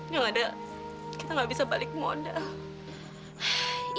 yang ada kita nggak bisa balik modal